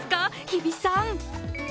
日比さん。